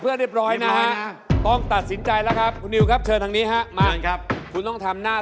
โปรดติดตามตอนต่อไป